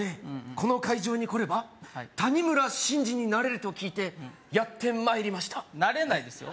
この会場に来れば谷村新司になれると聞いてやってまいりましたなれないですよ